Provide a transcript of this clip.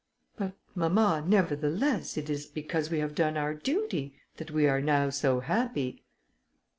"But, mamma, nevertheless, it is because we have done our duty, that we are now so happy."